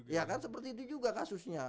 ya kan seperti itu juga kasusnya